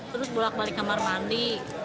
terus bolak balik kamar mandi